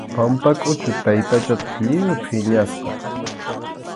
Pampakʼuchu taytachataq lliw phiñasqa.